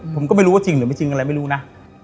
ผมก็ไม่รู้ว่าจริงหรือไม่จริงอะไรไม่รู้นะ